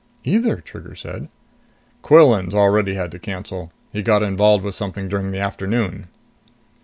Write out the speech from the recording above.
"Either?" Trigger said. "Quillan's already had to cancel. He got involved with something during the afternoon."